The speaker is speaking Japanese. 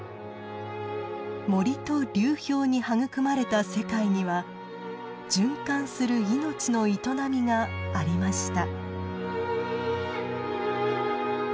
森と流氷に育まれた世界には循環する命の営みがありました。